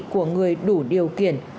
của người đủ điều kiện